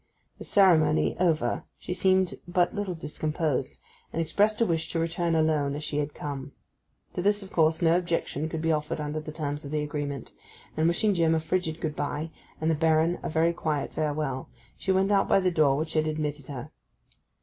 The ceremony over she seemed but little discomposed, and expressed a wish to return alone as she had come. To this, of course, no objection could be offered under the terms of the agreement, and wishing Jim a frigid good bye, and the Baron a very quiet farewell, she went out by the door which had admitted her.